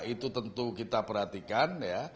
itu tentu kita perhatikan ya